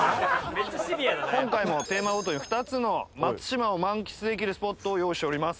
めっちゃシビアだね今回もテーマごとに２つの松島を満喫できるスポットを用意しております